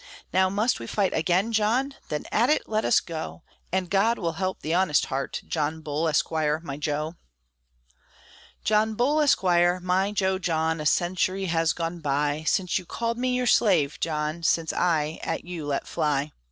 Now must we fight again, John? Then at it let us go! And God will help the honest heart, John Bull, Esquire, my jo. John Bull, Esquire, my jo John, A century has gone by, Since you called me your slave, John, Since I at you let fly.